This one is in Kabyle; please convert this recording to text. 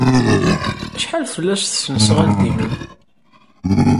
Acḥal fell-as tesnasɣalt-nnem?